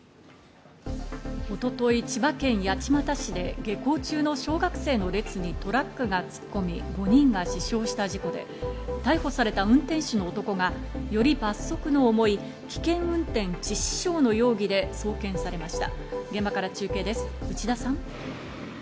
一昨日、千葉県八街市で下校中の小学生の列にトラックが突っ込み５人が死傷した事故で、逮捕された運転手の男がより罰則の重い危険運転致死傷の容疑で送検されました。